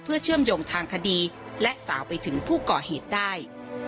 เพื่อเชื่อมโยงทางคดีและสาวไปถึงผู้ก่อเหตุได้